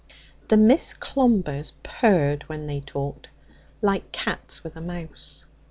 The Miss Clombers purred when they talked, like cats with a mouse.